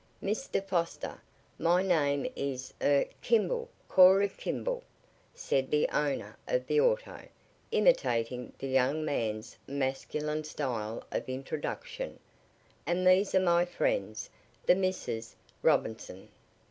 "Mr. Foster, my name is er Kimball Cora, Kimball," said the owner of the auto, imitating the young man's masculine style of introduction, "and these are my friends, the Misses Robinson."